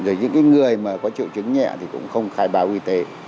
rồi những người mà có triệu chứng nhẹ thì cũng không khai báo y tế